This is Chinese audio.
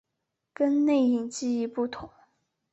跟内隐记忆不同。